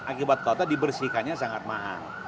akibat kota dibersihkannya sangat mahal